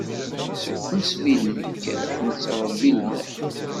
Seg wasmi i d-nekker, nettṛebbi lmal.